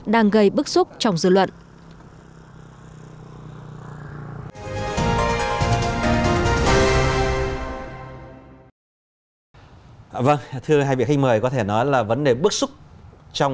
đang gây bức xúc trong dư luận